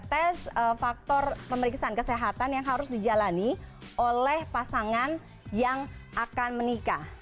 tes faktor pemeriksaan kesehatan yang harus dijalani oleh pasangan yang akan menikah